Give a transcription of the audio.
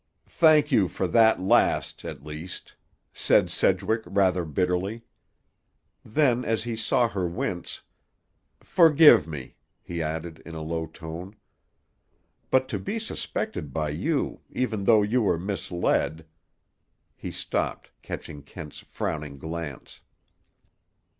"Thank you for that last, at least," said Sedgwick rather bitterly. Then, as he saw her wince, "Forgive me!" he added in a low tone. "But, to be suspected by you, even though you were misled—" He stopped, catching Kent's frowning glance.